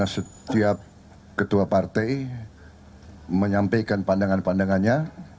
setiap ketua partai menyampaikan pandangan pandangannya